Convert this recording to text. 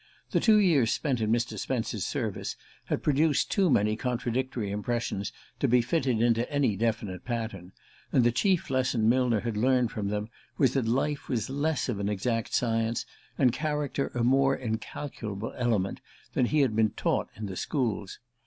The two years spent in Mr. Spence's service had produced too many contradictory impressions to be fitted into any definite pattern; and the chief lesson Millner had learned from them was that life was less of an exact science, and character a more incalculable element, than he had been taught in the schools.